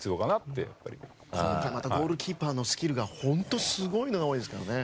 今回ゴールキーパーのスキルがすごいのが多いですからね。